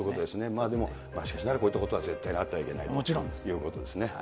まあでも、しかしながらこういうことは絶対にあってはならないということですね。